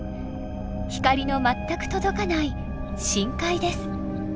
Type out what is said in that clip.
光の全く届かない深海です。